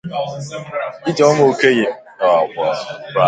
Ijeoma Okoye dere akụkọ a